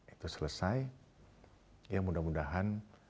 itu selesai ya mudah mudahan